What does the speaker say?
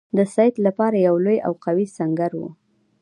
د سید لپاره یو لوی او قوي سنګر وو.